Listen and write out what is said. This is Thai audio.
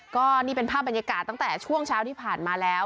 ก็นี่เป็นภาพบรรยากาศตั้งแต่ช่วงเช้าที่ผ่านมาแล้ว